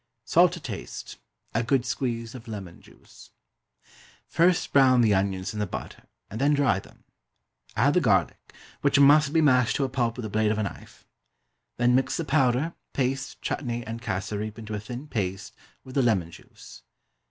Salt to taste. A good squeeze of lemon juice. First brown the onions in the butter, and then dry them. Add the garlic, which must be mashed to a pulp with the blade of a knife. Then mix the powder, paste, chutnee, and cassareep into a thin paste with the lemon juice.